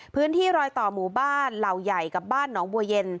พื้นที่รอยต่อหมู่บ้านเหล่าใหญ่กับบ้านหนองบัวเย็น